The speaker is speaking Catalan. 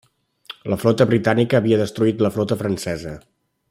La flota britànica havia destruït la flota francesa.